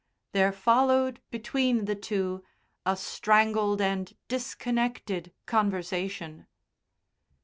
There followed between the two a strangled and disconnected conversation.